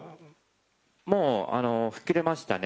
もう吹っ切れましたね。